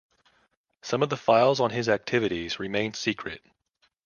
Some of the files on his activities remain secret.